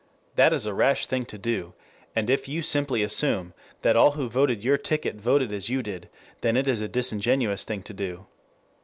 That is a rash thing to do, and, if you simply assume that all who voted your ticket voted as you did, then it is a disingenuous thing to do.